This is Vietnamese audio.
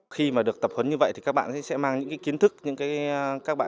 khi mà được tập huấn như vậy thì các bạn sẽ mang những kiến thức